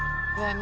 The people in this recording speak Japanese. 何？